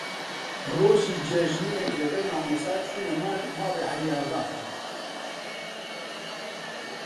ڕۆژی جێژنەیەک لەگەڵ مامۆستا چووینە ماڵی عەلیاغا